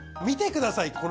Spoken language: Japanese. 見てください